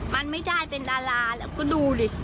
มันไม่ได้เป็นดาราแล้วก็ดูดิ